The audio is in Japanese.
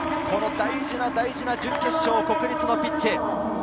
この大事な大事な準決勝、国立のピッチへ。